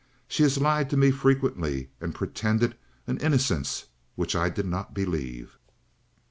She has lied to me frequently, and pretended an innocence which I did not believe.